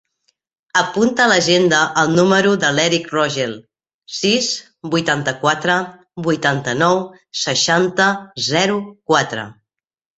Apunta a l'agenda el número de l'Erick Rogel: sis, vuitanta-quatre, vuitanta-nou, seixanta, zero, quatre.